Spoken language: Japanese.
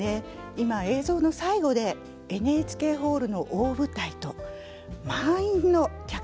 今映像の最後でＮＨＫホールの大舞台と満員の客席が映りました。